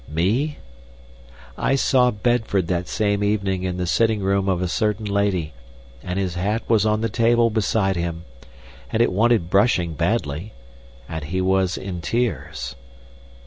Me? I saw Bedford that same evening in the sitting room of a certain lady, and his hat was on the table beside him, and it wanted brushing badly, and he was in tears.